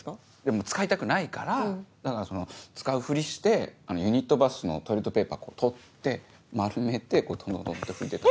もう使いたくないから使うふりしてユニットバスのトイレットぺーパー取って丸めてこうトントントンって拭いてた。